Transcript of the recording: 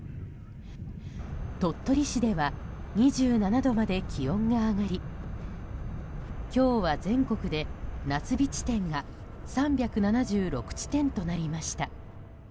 鳥取市では２７度まで気温が上がり今日は全国で夏日地点が３７６地点となりました。